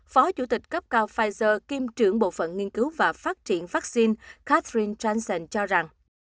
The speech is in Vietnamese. phó chủ tịch cấp cao pfizer kim trưởng bộ phận nghiên cứu và phát triển vaccine catherine johnson cho rằng